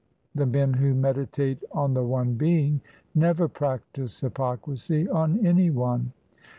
The men who meditate on the one Being Never practise hypocrisy on any one.